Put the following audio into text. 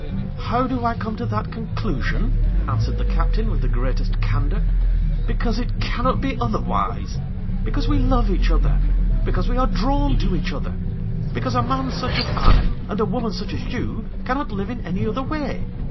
"How do I come to that conclusion?" answered the captain with the greatest candor. "Because it cannot be otherwise. Because we love each other. Because we are drawn to each other. Because a man such as I, and a woman such as you, cannot live in any other way!